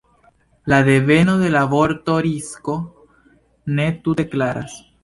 La deveno de la vorto „risko“ ne tute klaras.